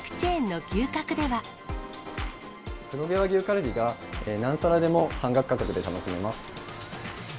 黒毛和牛カルビが、何皿でも半額価格で楽しめます。